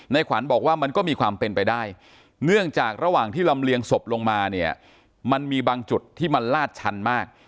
ขวัญบอกว่ามันก็มีความเป็นไปได้เนื่องจากระหว่างที่ลำเลียงศพลงมาเนี่ยมันมีบางจุดที่มันลาดชันมาก